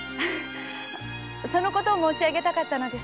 それを申し上げたかったのです。